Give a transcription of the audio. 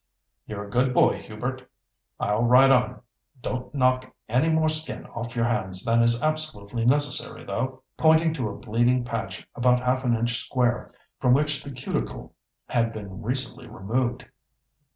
"You're a good boy, Hubert. I'll ride on; don't knock any more skin off your hands than is absolutely necessary, though," pointing to a bleeding patch about half an inch square, from which the cuticle had been recently removed.